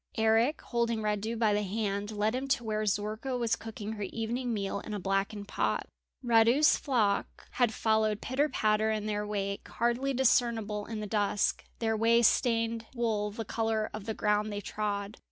Eric holding Radu by the hand led him to where Zorka was cooking her evening meal in a blackened pot. Radu's flock had followed pitter patter in their wake, hardly discernible in the dusk, their way stained wool the colour of the ground they trod.